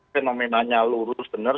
fenomenanya lurus benar